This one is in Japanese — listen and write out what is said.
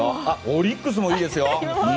オリックスもいいですよ。